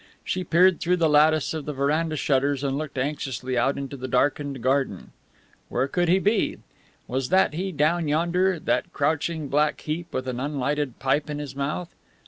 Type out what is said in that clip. She peered through the lattice of the veranda shutters and looked anxiously out into the darkened garden. Where could he be? Was that he, down yonder, that crouching black heap with an unlighted pipe in his mouth?